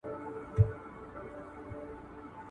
دوی د ناوړه دودونو له امله قرضونه وکړل.